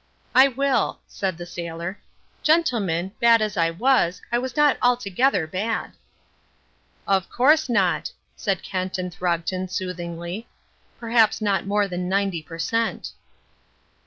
"I will," said the sailor. "Gentlemen, bad as I was, I was not altogether bad." "Of course not," said Kent and Throgton soothingly. "Probably not more than ninety per cent."